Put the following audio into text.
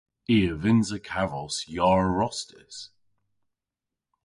I a vynnsa kavos yar rostys.